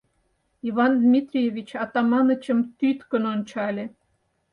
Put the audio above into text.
— Иван Дмитриевич Атаманычым тӱткын ончале.